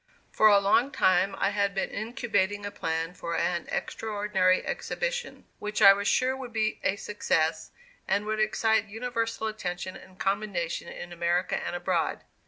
For a long time I had been incubating a plan for an extraordinary exhibition which I was sure would be a success and would excite universal attention and commendation in America and abroad.